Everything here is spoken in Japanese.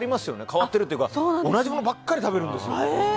変わってるというか同じものばかり食べるんですよ。